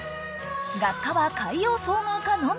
学科は海洋総合科のみ。